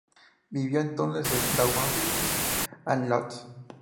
Vivió entonces en Daugavpils and Łódź.